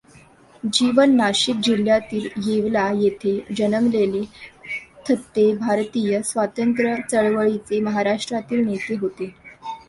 जीवन नाशिक जिल्ह्यातील येवला येथे जन्मलेले थत्ते भारतीय स्वातंत्र्य चळवळीचे महाराष्ट्रातील नेते होते.